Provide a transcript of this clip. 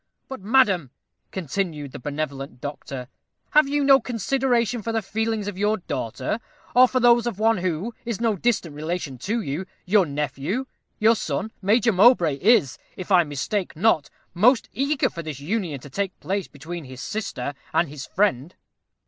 But, madam," continued the benevolent doctor, "have you no consideration for the feelings of your daughter, or for those of one who is no distant relation to you your nephew? Your son, Major Mowbray, is, if I mistake not, most eager for this union to take place between his sister and his friend."